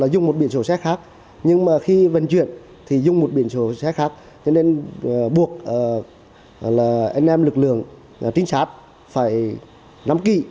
dùng một biện sổ xe khác nhưng mà khi vận chuyển thì dùng một biện sổ xe khác cho nên buộc anh em lực lượng trinh sát phải nắm kỳ